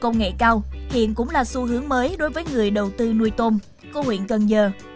công nghệ cao hiện cũng là xu hướng mới đối với người đầu tư nuôi tôm của huyện cần giờ